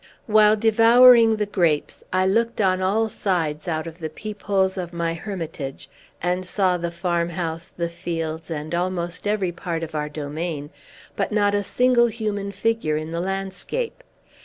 While devouring the grapes, I looked on all sides out of the peep holes of my hermitage, and saw the farmhouse, the fields, and almost every part of our domain, but not a single human figure in the landscape.